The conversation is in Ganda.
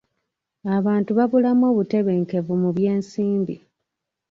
Abantu babulamu obutebenkevu mu byensimbi.